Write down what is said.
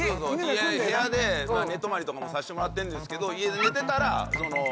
部屋で寝泊まりとかもさせてもらってるんですけど。